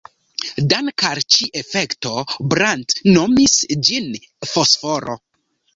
Dank'al al ĉi-efekto, Brand nomis ĝin fosforo.